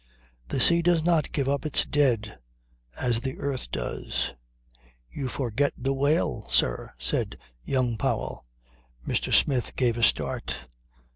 The sea does not give up its dead as the earth does." "You forget the whale, sir," said young Powell. Mr. Smith gave a start.